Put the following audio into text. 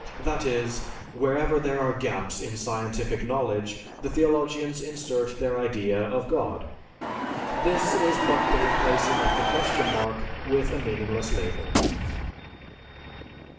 That is, wherever there are gaps in scientific knowledge, the theologians insert their idea of God! This is but the replacing of the question mark with a meaningless label.